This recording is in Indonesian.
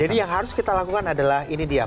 jadi yang harus kita lakukan adalah ini dia